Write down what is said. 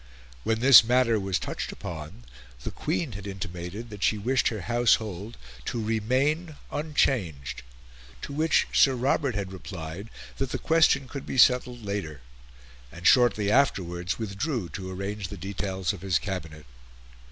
When this matter was touched upon, the Queen had intimated that she wished her Household to remain unchanged; to which Sir Robert had replied that the question could be settled later, and shortly afterwards withdrew to arrange the details of his Cabinet.